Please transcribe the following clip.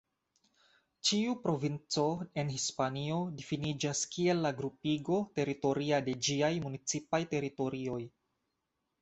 Ĉiu provinco en Hispanio difiniĝas kiel la grupigo teritoria de ĝiaj municipaj teritorioj.